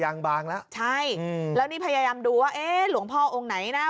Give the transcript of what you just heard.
ยางบางแล้วใช่อืมแล้วนี่พยายามดูว่าเอ๊ะหลวงพ่อองค์ไหนนะ